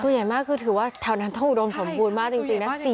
ใหญ่มากคือถือว่าแถวนั้นต้องอุดมสมบูรณ์มากจริงนะ